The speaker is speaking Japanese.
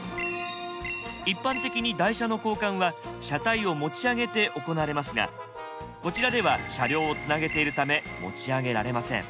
一般的に台車の交換は車体を持ち上げて行われますがこちらでは車両をつなげているため持ち上げられません。